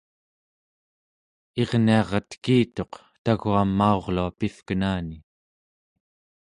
irniara tekituq tau͡gaam maurlua pivkenani